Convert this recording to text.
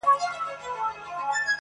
چا چي کړي پر مظلوم باندي ظلمونه!!